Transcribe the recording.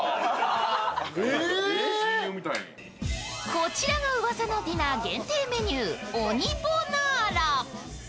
こちらがうわさのディナー限定メニュー、鬼ボナーラ。